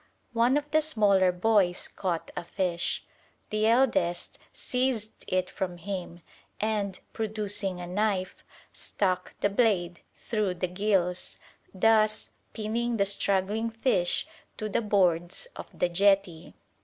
One of the smaller boys caught a fish. The eldest seized it from him, and, producing a knife, stuck the blade through the gills, thus pinning the struggling fish to the boards of the jetty.